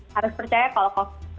harus percaya kalau covid sembilan belas